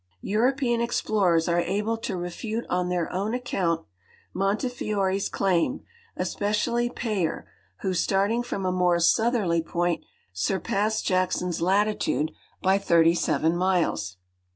European ex jilorersare able to refute on tlieir own account 5Iontefiore's claim, e.spe cially Payer, who, starting from a more southerly point, surpassed Jack son's latitude by 37 miles.